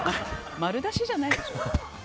丸出しじゃないでしょ。